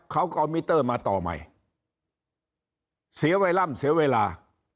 เขาก็เอามิเตอร์มาต่อใหม่เสียเวลาเสียเวลา